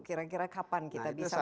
kira kira kapan kita bisa